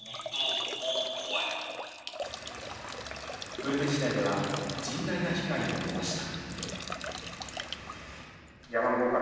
久留米市内では甚大な被害も出ました。